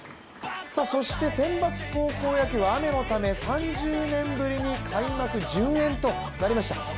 そして選抜高校野球は雨のため３０年ぶりに開幕順延となりました。